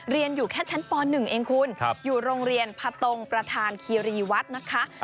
เรียนอยู่แค่ชั้นป๑เองคุณอยู่โรงเรียนพะตงประธานคีรีวัดนะคะ